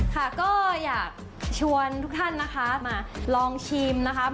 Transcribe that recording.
ค่ะก็อยากชวนทุกท่านนะคะมาลองชิมนะคะ